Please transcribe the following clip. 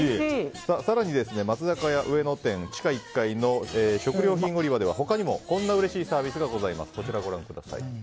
更に、松坂屋上野店地下１階の食料品売り場では他にもこんなうれしいサービスがございます。